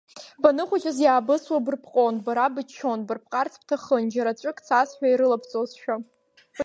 Банхәыҷыз иаабысуа бырԥҟон, бара быччон, бырԥҟарц бҭахын, џьара ҵәык цасҳәа ирылабҵозшәа.